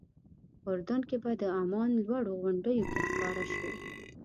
اردن کې به د عمان لوړو غونډیو کې ښکاره شو.